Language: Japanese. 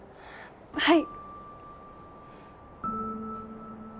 はい。